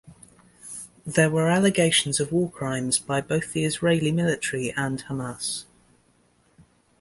There were allegations of war crimes by both the Israeli military and Hamas.